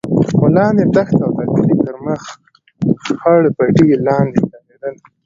خو لاندې دښته او د کلي تر مخ خړ پټي لانده ښکارېدل.